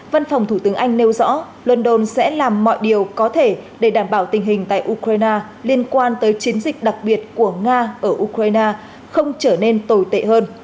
văn phòng thủ tướng anh nêu rõ london sẽ làm mọi điều có thể để đảm bảo tình hình tại ukraine liên quan tới chiến dịch đặc biệt của nga ở ukraine không trở nên tồi tệ hơn